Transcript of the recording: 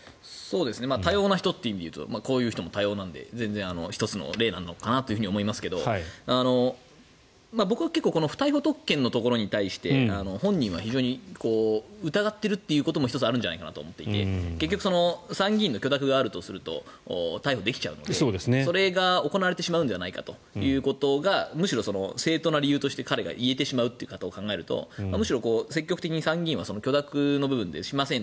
多様な人という意味で言うとこういう人も多様なので全然、１つの例なのかなと思いますが僕は結構不逮捕特権のところに対して本人は非常に疑っているということも１つあるんじゃないかなと思っていて結局、参議院の許諾があると逮捕できちゃうのでそれが行われてしまうんじゃないかってところがむしろ正当な理由として彼が言えてしまうということを考えるとむしろ積極的に参議院は許諾の部分でしませんと。